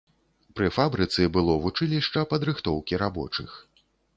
Пры фабрыцы было вучылішча падрыхтоўкі рабочых.